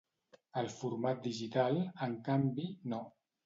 El format digital, en canvi, no.